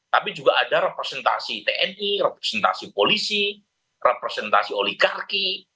tapi juga ada representasi tni representasi polisi representasi oligarki